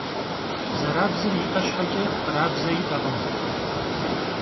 Zerabzır yi'e şheç'e khrabze yi'ekhım.